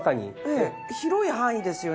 広い範囲ですよね。